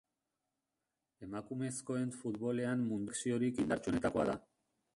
Emakumezkoen futbolean Munduko selekziorik indartsuenetakoa da.